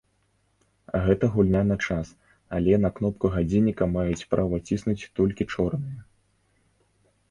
Гэта гульня на час, але на кнопку гадзінніка маюць права ціснуць толькі чорныя.